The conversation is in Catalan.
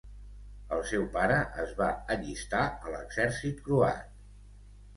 El seu pare es va allistar a l'exèrcit croat.